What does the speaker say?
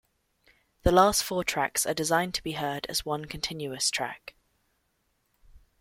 The last four tracks are designed to be heard as one continuous track.